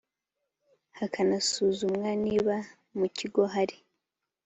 hakanasuzumwa niba mu kigo hari